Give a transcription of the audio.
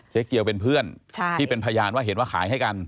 เกียวเป็นเพื่อนที่เป็นพยานว่าเห็นว่าขายให้กัน